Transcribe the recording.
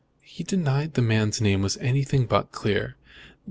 "He denied that the man's name was anything but Clear.